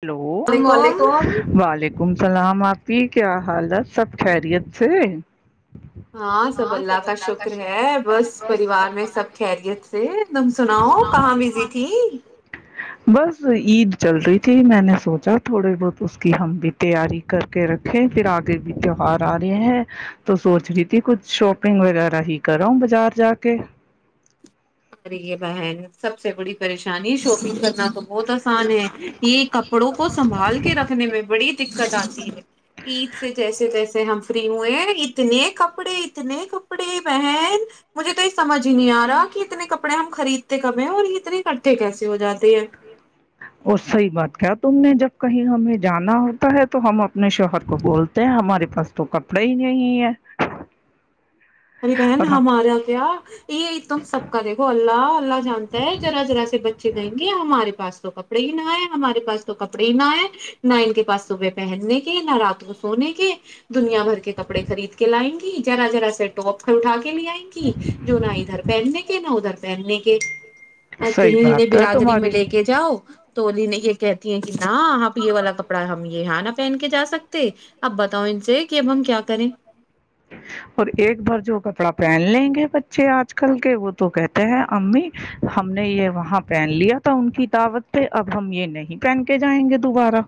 hello وعلیکم اللاملیکم و ولیکم السلام آپ کی کیا حالت سب خیریت سے ہاں سب اللہ کا شکر ہے بس پریوار میں سب خیریت سے تم سناؤ کہاں بزی تھی بس عید چل رہی [unintelligible] جی میں نے سوچا تھوڑے بہت اس کی ہم بھی تیاری کر کے رکھے پھر آگے بھی تیوار آ رہے ہیں تو سوچ رہی تھی کچھ شاپنگ وغیرہ ہی کرا بازار جا کے ا یہ بہن سب سے بڑی پریشانی شاپنگ کرنا تو بہت [unintelligible] ان ہے یہ کپڑوں کو سنبھال کے رکھنے میں بڑی دق کٹ ہے عید سے جیسے جیسے ہم فری ہوئے اتنے کپڑے اتنے کپڑے بہن مجھے تو اس سمجھ ہی نہیں آ رہا کہ ہم خریدتے کب ہیں اور اتنے اکٹھے کیسے ہو جاتے ہیں اور صحیح بات کہ تم نے جب کہیں ہمیں جانا ہوتا ہے تو ہم اپنے شوہر کو بولتے ہیں ہمارے پاس تو کپڑے ہی نہیں ہے ارے بہن اور ہاں ہمارا کیا یہ تم سب کا دیکھو اللہ اللہ جانتا ہے ذرا ذرا سے بچے گئیں گے ہمارے پاس تو کب کپڑے ہی نہ ہے ہمارے پس تو کپڑے ہی نہ ہے نہ ان کے پاس صبح پہننے کے نہ رات کو سونے کے دنیا بھر کے کپڑے خرید کے لائیں گی ذرا ذرا سیٹ توٹپ کنٹا [unintelligible] لیے آئیں گی جو نہ ادھر پہننے کے نہ ادھر پہننے کے ایک [unintelligible] ا کہ صحیح انہیں بات ہے برادری میں تمہاری لے کے جاؤ توولی نے یہ کہتی ہیں کہ نہ ہ پ یہ والا کپڑا ہم یہ یہاں نہ پہن کے جا سکتے اب بتاؤ ان سے کہ اب ہم کیا کریں اور ایک بار جو کپڑا پہن لیں گے بچے آج کل کے وہ تو کہتے ہیں امی ہم نے یہ وہاں پہن لیا تھا ان کی دعوت پے اب ہم یہ نہیں پہن کے جائیں گے دوبارہ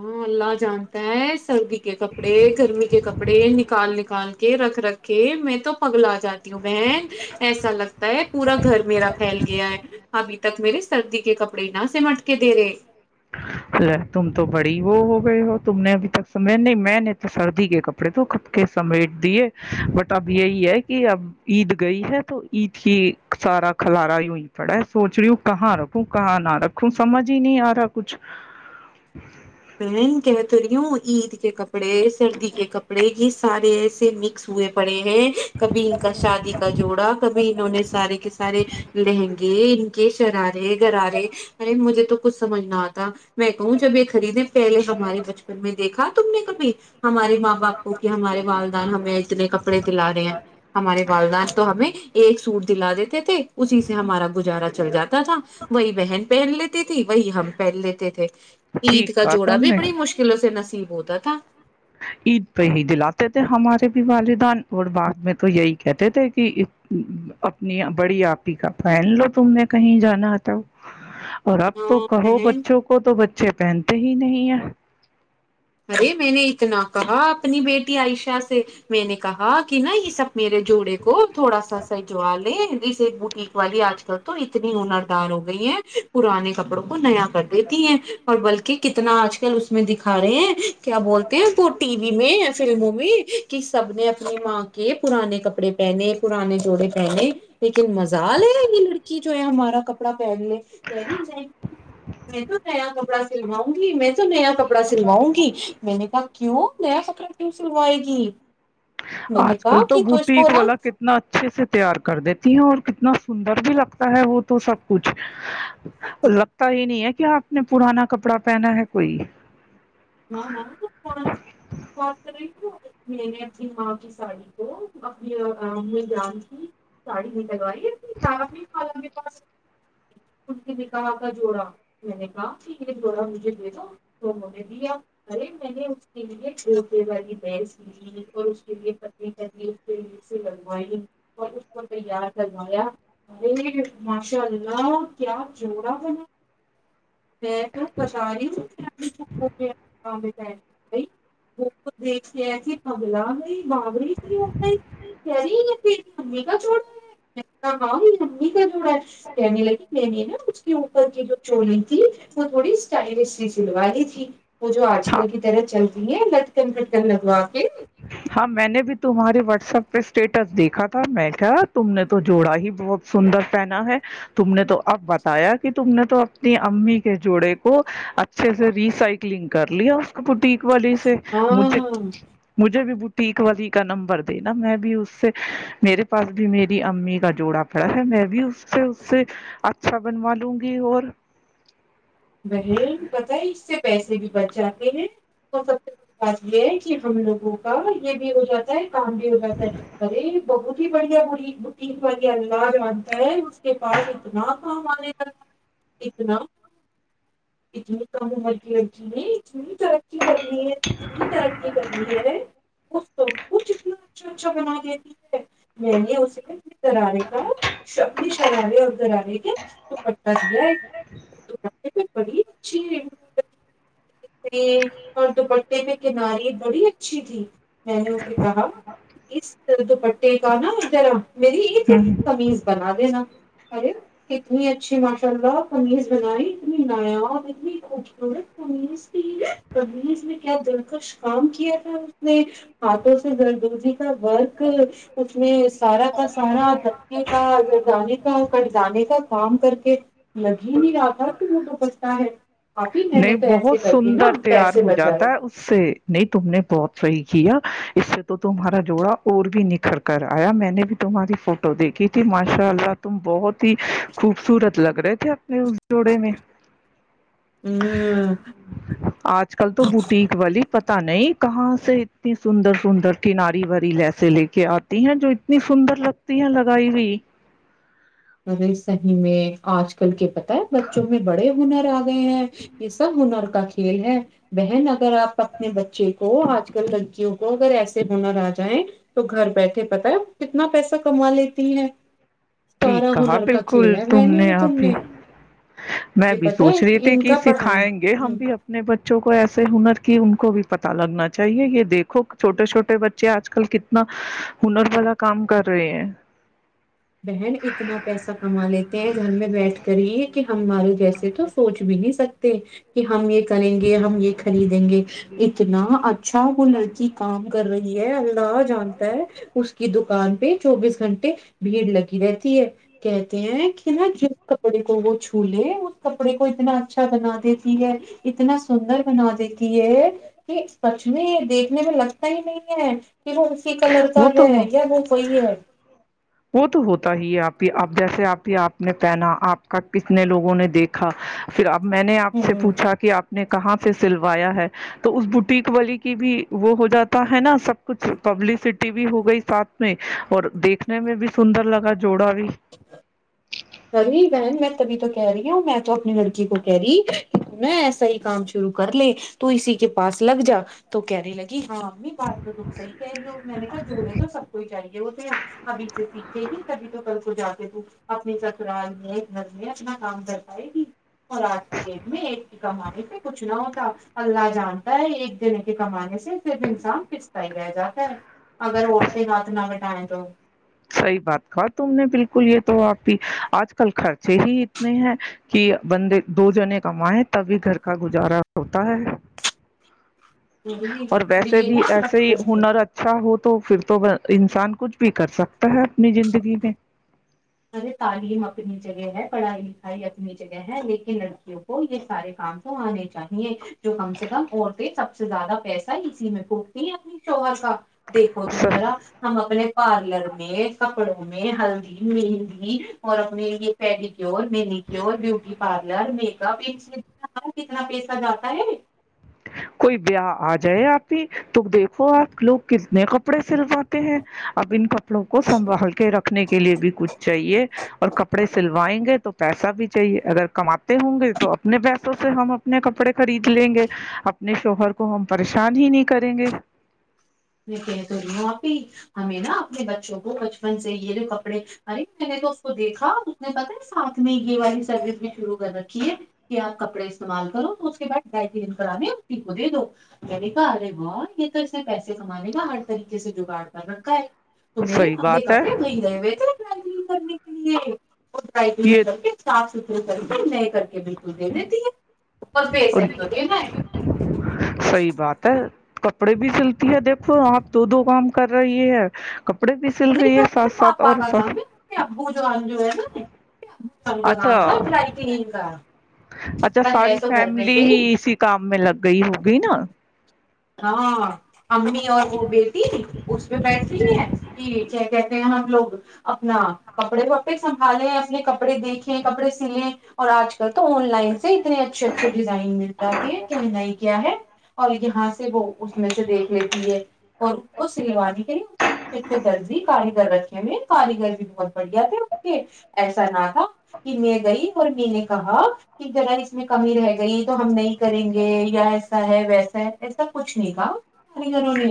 ہاں اللہ جانتا ہے سردی کے کپڑے گرمی کے کپڑے نکال نکال رکھ رکھے میں تو پگ ل آ جاتی ہوں بہن ایسا لگتا ہے پورا گھر میرا پھیل گیا ہے ابھی تک میرے سردی کے کپڑے نہ سمٹ کے دے رہے تم تو بڑی وہ ہو گئے ہو تم نے ابھی تک سمجھا نہیں میں نے تو سردی کے کپڑے تو کھپ کے سمیٹ دیے بٹ اب یہی ہے کہ اب عید گئی ہے تو عید کی سارا خلارا یوں ہی پڑا ہے سوچ رہی ہوں کہاں رکھوں کہاں نہ رکھوں سمجھ ہی نہیں آ رہا کچھ بین کہتری ہوں عید کے کپڑے کپڑے سردی کے کپڑے کی [unintelligible] سارے ایسے مکس ہوئے پڑے کبھی ان کا شادی کا جوڑا کبھی انہوں نے سارے کے سارے لہنگے ان کے شرارے گرارے ارے مجھے تو کچھ سمجھ نہ آتا [unintelligible] میں کہوں جب یے خریدیں پہلے ہمارے بچپن میں دیکھا تم نے کبھی ہمارے ماں باپ کو کہ ہمارے والدان ہمیں اتنے کپڑے دلا رہے ہیں ہمارے والدان تو ہمیں ایک سوٹ دلا دیتے تھے [unintelligible] اسی سے ہمارا گزارا چل جاتا تھا وہی بہن پہن لیتی تھی وہی ہم پہن لیتے تھے عید ٹھیک کا کہا جوڑا تم بھی نے بڑی مشکلوں سے نصیب ہوتا ہے تھا [unintelligible] عید پہ ہی دلاتے تھے ہمارے بھی والدان اور بعد میں تو یہی کہتے تھے کہ اپنی بڑی آپ ہی کا پہن لو تم نے کہیں جانا تھا اور اب تو ہاں کہو بہن بچوں کو تو بچے پہنتے ہی نہیں ہیں ارے میں نے اتنا کہا اپنی بیٹی عائشہ سے میں نے کہا کہ نا یہ سب میرے جوڑے کو تھوڑا سا سج وا لے جس ایک بوٹیک [unintelligible] والی آج کل تو اتنی ہنردار ہو گئی ہیں پرانے کپڑوں کو نیا کر دیتی ہیں اور بلکہ کتنا آج کل اس میں دکھا رہے ہیں کیا بولتے ہیں وہ ٹی وی میں فلموں میں کہ سب نے اپنی ماں کے پرانے کپڑے پہنے پرانے جوڑے پہنے لیکن مجال ہے یہ لڑکی جو ہے ہمارا کپڑا پہن لے کہ رہی میں تو نیا کپڑا سلواؤں گی میں تو نیا کپڑا سلواؤں گی میں نے کہا کیوں نیا کپڑا کیوں سلوائے گی میں نے آج کہا کل تو کہ اس کو بوٹیک نا والا کتنا اچھے سے تیار کر دیتی ہیں اور کتنا سندر بھی لگتا ہے وہ تو سب کچھ لگتا ہی نہیں ہے کہ آپ نے پرانا کپڑا پہنا ہے کوئی ہاں ہاں بات کر رہی میں نے اپنی ماں کی ساڑی کو اپنی میدان کی ساڑی میں لگائی اپنی تار خال کے پاس ان کے بھی کہا کا جوڑا میں نے کہا کہ یہ جوڑا مجھے دے دو تو [unintelligible] ارے میں نے اس کے لیےپے والی بھیس لی اور اس کے لیے پت لیے سے لگوائی اور اس کو تیار کروایا ارے ماشاء اللہ کیا جوڑا بنا میں تو [unintelligible] [inaudible] وہ دیکھلا گئی بڑی ت گئی کہ رہییری امی کا جوڑا ہے ہاں میری امی کا جوڑا ہے کہنے لگی میں نے نا اس کے اوپر کی جو چولی تھی وہ تھوڑی اسٹائلش س سلو لی تھی [unintelligible] [inaudible] وہ جو آج ہاں کل کی طرح چلتی چلتی ہیں لٹکن پٹکن لگوا جی [unintelligible] ہاں میں نے بھی تمہارے واٹس ایپ پہ اسٹیٹس دیکھا تھا میں کیا تم نے تو جوڑا ہی بہت سندر پہنا ہے تم نے تو اب بتایا کہ تم نے تو اپنی امی کے جوڑے کو اچھے سے ریسائکلنگ کر لیا اس بوٹیک والی سے مجھے مجھے ہاں مجھے بھی بوٹیک والی کا نمبر دےینا میں بھی اس سے میرے پاس بھی میری امی کا جوڑا پڑا ہے میں بھی اس سے اس سے اچھا بنوا لوں گی اور بہن پتا ہے اس سے پیسے بھی بچ جاتے ہیں تو سب سے بڑی بات یہ ہے کہ ہم لوگوں کا یہ بھی ہو جاتا ہے کام بھی ہو جاتا ہے ارے بہت بہت ہی بڑھیا بوٹیک والی اللہ جانتا ہے اس کے پاس اتنا کام آنے لگا ہے اتنا اتنی کم عمر کی لڑکی نے اتنی ترقی کر لی ہے اتنی ترقی کر لی ہے وہ سب کچھ اتنا اچھا اچھا بنا دیتی میں نے اسے گرارے کا اپنی شرارے اور گرارے کے دوپٹہ دیا ایک [inaudible] [unintelligible] بڑی چھی [unintelligible] اور دوپٹے پہ کنارے بڑی اچھی تھی میں نے اسے کہا اسرد پ [unintelligible] میری ایک ہ قمیض بنا دینا ارے [unintelligible] کتنی اچھی ماشاء اللہ قمیض بنائی اتنی نایاب اور اتنی خوبصورت قمیض کمیز میں کیا دلکش کام کیا تھا اس نے ہاتھوں سے زردوزی کا ورک اس میں سارا کا سارا دھکے کا زر جانے کا کٹ جانے کا کام کر کے لگ ہی نہیں رہا کہ وہ تو پچتا ہے آی ن نہیں نے تو ایس [unintelligible] بہت سندر تیار ہو جاتا ہے اس سے نہیں تم نے بہت صحیح اس سے تو تمہارا جوڑا اور بھی نکھر کر آیا میں نے بھی تمہاری فوٹو دیکھی تھی ماشاء اللہ تم بہت ہی خوبصورت لگ رہے تھے ی اس جوڑے میں ہوں آج کل تو بوٹیک والی پتہ نہیں کہاں سے اتنی سندر سندر کناری بھری لیسیے لے کے آتی ہیں جو اتنی سندر لگتی ہیں لگائی ہوئی مگر صحیح میں آج کل کے پ [unintelligible] ہے بچوں میں بڑے ہنر آ گئے ہیں یہ سب ہنر کو کا کھیل ہے بہن اگر آپ اپنے بچے کو آج کل لڑکیوں کو اگر ایسے ہونر آ جائیں تو گھر بیٹھے پت ہے کتنا پیسہ کما لیتی ہے ٹھیک سارا کہا ہنر کا بالکل کھیل ہے میں تم نے آپھی میں یہ بھی پتا سوچ ہے رہی تھی ان کہ کا پڑھائی سکھائیں گے ہ ہم بھی اپنے بچوں کو ایسے ہنر کی ان کو بھی پتا لگنا چاہیے یہ دیکھو چھوٹے چھوٹے بچے آج کل کتنا ہنر والا کام کر رہے ہیں بہن اتنا پیسہ کما لیتے ہیں گھر میں بیٹھ کر ہی کہ ہمار جیسے تو سوچ بھی نہیں سکتے کہ ہم ایک [unintelligible] کریں گے ہم یہ خریدیں گے اتنا اچھا وہ لڑکی کام کر رہی یہ [unintelligible] ہاں جانتا ہے اس کی دکان پہ چوبیس گھنٹے بھیڑ لگی رہتی ہے کہتے ہیں کہتے ہیں نہ جس کپڑے کو وہ چھو لے اس کپڑے کو اتنا اچھا بنا دیتی ہے اتنا سندر بنا دیتی ہے کہ سچ میں دیکھنے میں لگتا ہی نہیں ہے کہ وہ کلر کا وہ ہے تو یا وہ وہی ہے وہ تو ہوتا ہی ہے آپ کی اب جیسے آپ کی آپ نے پہنا آپ کا کتنے لوگوں نے دیکھا پھر آپ میں نے آپ سے ہ پوچھا کہ آپ نے کہاں سے سے سلوایا ہے تو اس بوٹیک واللی کی بھی وہ ہو جاتا ہے نا سب کچھ پبلسٹی بھی ہو گئی ساتھ میں اور دیکھنے میں بھی سندر لگا جوڑا بھی اے بہن میں تبھی تو کہہ رہی میں تو اپنی لڑکی کو کہہ رہی کہ ن ایسا ہی کام شرو کر لے تو اسی کے پاس لگ جا تو کہنے لگی ہاں امی بات تو تم صحی کہہ رہی ہو میں نے کہ جو ہے تو سب کو ہی چاہیے وہ تو ہے ابھی سے سیکھے گ کبھی تو کل کو جا اپنی چ [unintelligible] گھر میں اپنا کام کر پائی تھی اور آج کی ڈیٹ میں ایک کمانے سے کچھ نہ ہوتا اللہ جانتا ہے ایک دن کے کمانے سے صرف انسان پستا ہی رہ جاتا ہے اگر عورتیں ناک نہ گٹائیں [unintelligible] صحیح بات کہا تم نے بالکل یہ تو آپ کی آج کل خرچے ہی اتنے ہیں کہ بندے دو جنے کمائے تبھی گھر کا گزارا ہوتا ہے اور ویسے یہ بھی نا ایسے ہی بچپن سے ہنر اچھا ہو تو پھر تو انسان کچھ بھی کر سکتا [inaudible] اپنی زندگی میں ارے تعلیم اپنی جگہ ہے پڑھائی لکھائی اپنی جگہ ہے لیکن لڑکیوں کو یہ سارے کام تو آنے چاہیے جو کم سے کم عورتیں سب سے زیادہ پیسہ اسی میں پھوکتی ہیں اپنی شوہر کا دیکھو تم ذرا میں ہم اپنے پار کلر میں کپڑوں میں ہلدی نہیں اور اپنے یہ پہلی manicure pedicure beauty parlour make up کتنا پیسہ جاتا ہے [unintelligible] کوئی بہ آ جائے آپ ہی تو دیکھو آپ لوگ کتنے کپڑے سلواتے ہیں اب ان کپڑوں کو سنبھال کے رکھنے کے لیے بھی کچھ چاہیے اور کپڑے سلوائیں گے تو پیسہ بھی چاہیے اگر کماتے ہوں گے تو اپنے پیسوں سے ہم اپنے کپڑے خرید لیں گے اپنے شوہر کو ہم پریشان ہی نہیں کریں گے کہ تو ریوں آپی ہمیں نا اپنے بچوں کو بچپن سے یہ جو کپڑے ارے میں نے تو اس کو دیکھا اس نے پتا ہے ساتھ میں ہی والی سروس بھی شروع کر رکھیے کہ آپ کپڑے استعمال کرو تو اس کے بعد ڈائی کے دن پرانے رٹی کو دے دو میں نے کہا ارے ب یہ تو ایے پیسے کمانے کا ہر طریقے سے جگاڑ کر رکھا ہے تو میرے صحیح ہاتھے بات ہے کپڑے وہ گئے ہوئے ت کرنے کے لیے یہ ات سف س کر میں کر کے بالکل د دیتی ہے اس بھی اور سک تو ھیک ہے صحیح بات کپڑے بھی سلتی ہے دیکھو آپ دو دو کام کر رہی ہے بھی سل رہی نہیں ہے اس کے ساتھ ساتھ پاپا اور کا نام ہے کے ابو جان جو ہے نا ابو جان کا نام تھا اچھا ڈرائی کا اچھا پر ہے ساری تو گھر میں فیملی سے ہی اسی کام میں لگ گئی ہوگی نا ہاں امی اور وہ بیٹی اس پہ بیٹھ رہی ہے کہ کیا کہتے ہیں ہم لوگ اپنا کپڑے وپڑے سنبھالے اپنے کپڑے دیکھیں کپڑے سلیں اور آج کل تو آن لائن سے اتنے اچھے اچھے ڈیزائن مل جاتی ہے کہ نہیں کیا ہے اور اتہاس وہ اس میں سے دیکھ لیتی ہے اور وہ سلوا دی کری اچھے اچھے درزی کاریگر رکھے میں کاریگر بھی بہت بڑھیا تھے اس کے ایسا نہ تھا کہ میں گئی اور می نے کہا کہ ذرا اس میں کمی رہ گئی تو ہم نہیں کریں گے یا ایسا ہے ویسا ہے کچھ نہیں کہا کاریگروں نے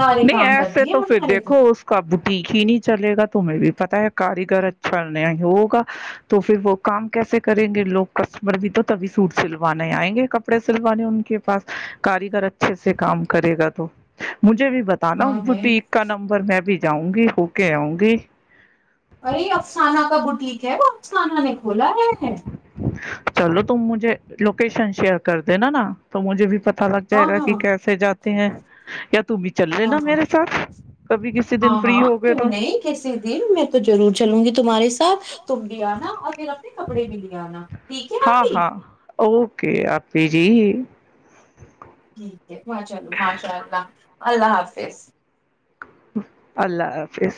سارے نہیں کام کر ایسے دیے تو پھر ہمارے تو دیکھو اس کا بٹیک ہی نہیں چلےا تمہیں بھی پت ہے کاریگر اچھا نہیں ہوگا تو پھر وہ کام کیسے کریں گے لوگ کسٹمر بھی تو تبھی سوٹ سلوانے آئیں گے کپڑے سلوانے ان کے پاس کاریگر اچھے سے کام کرے گا تو مجھے بھی بتانا ہاں ہے بوٹیک کا نمبر میں بھی جاؤں گی ہو کے آؤں گی ارے افسانہ کا بٹیک کیا بتنان نے بھولا ہے ہے چلو تم مجھے لوکیشن شیئر کر دینا نا تو مجھے بھی پ اچھا لگ جائے ہاں گا ہاں کہ کیسے جات ہیں یا [unintelligible] ہاں لینا ہاں میرے ساتھ کبھی کسی دن ہاں فری ہاں ہو گئے کیوں تو نہیں کیسسی دن میں تو ضرور چلوں گی تمہارے ساتھ ت ا [unintelligible] پھر اپنے کپڑے بھی لے آنا ٹھیک ہے ناپی کہ آپے جی ٹھیک ہے وہ چلو ماشاء اللہ اللہ حافظ اللہ حافظ